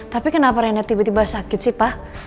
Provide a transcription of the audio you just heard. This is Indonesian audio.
tapi kenapa renet tiba tiba sakit sih pak